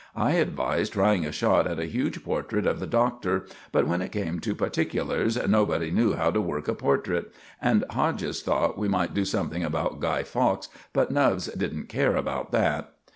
I advised trying a shot at a huge portrait of the Doctor, but when it came to particulars nobody knew how to work a portrait; and Hodges thought we might do something about Guy Fawkes, but Nubbs didn't care about that.